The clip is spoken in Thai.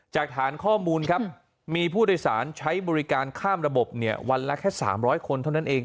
จากฐานข้อมูลครับมีผู้โดยสารใช้บริการข้ามระบบเนี่ยวันละแค่๓๐๐คนเท่านั้นเอง